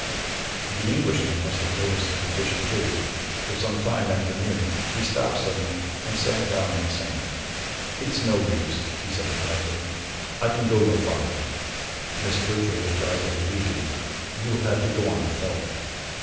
The Englishman must have noticed her condition too, for some time after noon, he stopped suddenly and sat down in the sand. "It's no use," he said to Tarzan. "I can go no farther. Miss Kircher is rapidly weakening. You will have to go on without me."